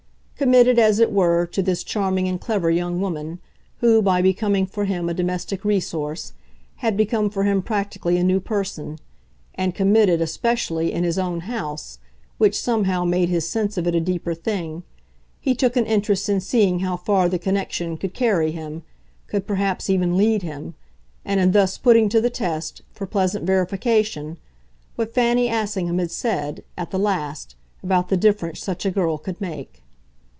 Committed, as it were, to this charming and clever young woman, who, by becoming for him a domestic resource, had become for him practically a new person and committed, especially, in his own house, which somehow made his sense of it a deeper thing he took an interest in seeing how far the connection could carry him, could perhaps even lead him, and in thus putting to the test, for pleasant verification, what Fanny Assingham had said, at the last, about the difference such a girl could make.